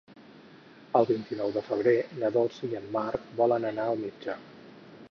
El vint-i-nou de febrer na Dolça i en Marc volen anar al metge.